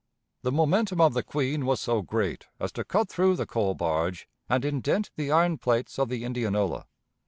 The momentum of the Queen was so great as to cut through the coal barge, and indent the iron plates of the Indianola.